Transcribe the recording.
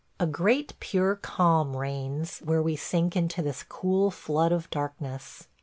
A great pure calm reigns where we sink into this cool flood of darkness